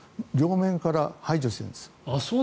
両面から排除してるんです。